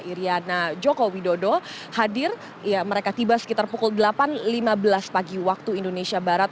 iryana joko widodo hadir mereka tiba sekitar pukul delapan lima belas pagi waktu indonesia barat